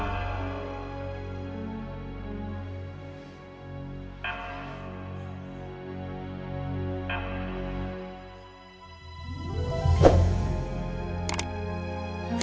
apa yang terjadi